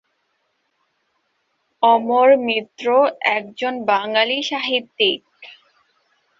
অমর মিত্র একজন বাঙালি সাহিত্যিক।